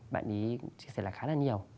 bạn ấy chia sẻ là khá là nhiều